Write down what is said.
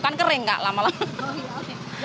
kan kering gak lama lama